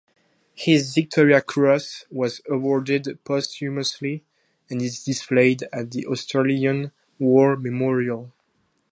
His Victoria Cross was awarded posthumously and is displayed at the Australian War Memorial.